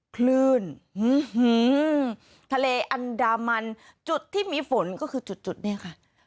คลื่นทะเลอันดามันจุดที่มีฝนก็คือจุดเนี่ยค่ะ